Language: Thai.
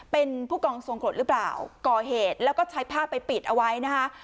เป็นผู้กองทรงกรดหรือเปล่าก่อเหตุแล้วก็ใช้ผ้าไปปิดเอาไว้นะคะ